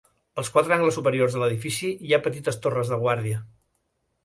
Als quatre angles superiors de l'edifici hi ha petites torres de guàrdia.